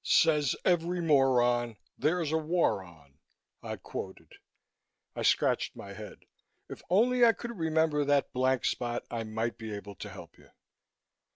"'Says every moron, There's a war on!'" I quoted. I scratched my head. "If only I could remember that blank spot, I might be able to help you."